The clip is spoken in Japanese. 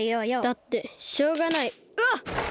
だってしょうがないうわっ！